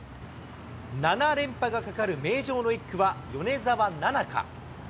７連覇がかかる名城の１区は、米澤奈々香。